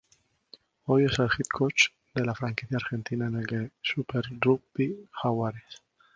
Hoy es el head coach de la franquicia Argentina en el súper rugby, Jaguares.